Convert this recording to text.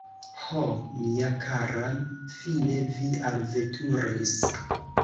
Ho, mia kara, fine vi alveturis!